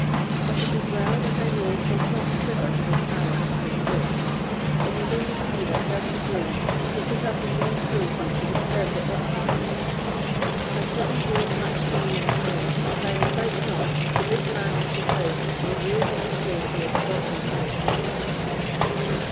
But it is well that I know from what quiver this arrow has come forth. It was only he that dug the grave who could have the mean cruelty to disturb the obsequies; and Heaven do as much to me and more, if I requite not to this man and his house the ruin and disgrace he has brought on me and mine!"